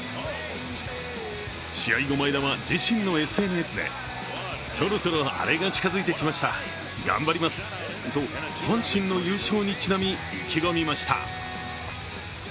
試合後、前田は自身のＳＮＳで、そろそろアレが近づいてきました、頑張りますと、阪神の優勝にちなみ意気込みました。